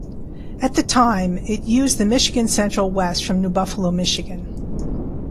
At the time it used the Michigan Central west from New Buffalo, Michigan.